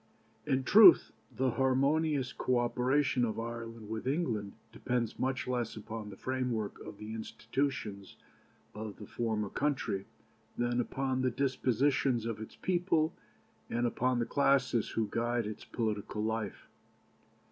"In truth the harmonious co operation of Ireland with England depends much less upon the framework of the institutions of the former country than upon the dispositions of its people and upon the classes who guide its political life.